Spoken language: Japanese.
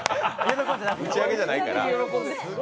打ち上げじゃないから。